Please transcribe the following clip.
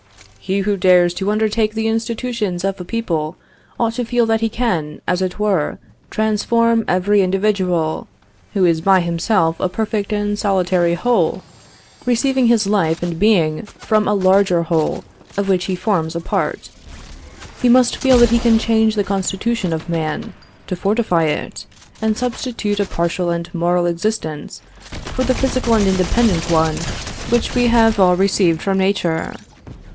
"He who dares to undertake the institutions of a people, ought to feel that he can, as it were, transform every individual, who is by himself a perfect and solitary whole, receiving his life and being from a larger whole of which he forms a part; he must feel that he can change the constitution of man, to fortify it, and substitute a partial and moral existence for the physical and independent one which we have all received from nature.